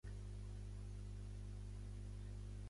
Idealment, s'ha de rentar a màquina quan se satura amb la brutícia.